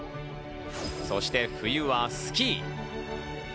そして冬はスキー。